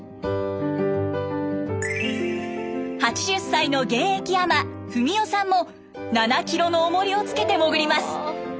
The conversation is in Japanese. ８０歳の現役海女・文代さんも７キロのおもりをつけて潜ります。